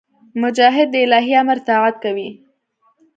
مجاهد د الهي امر اطاعت کوي.